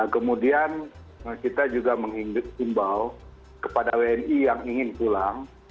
kemudian kita juga mengimbau kepada wni yang ingin pulang